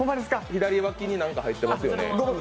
左脇に何か入ってますよね。